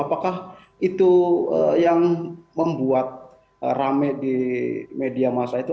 apakah itu yang membuat rame di media masa itu